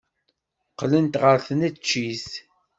Qqlent ɣer tneččit.